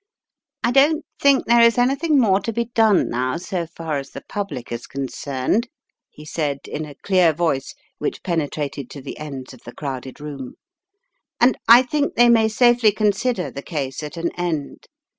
"I don't think there is anything more to be done now so far as the public is concerned/ 9 he said in a clear voice which penetrated to the ends of the crowded room, "and I think they may safely consider the case at an end.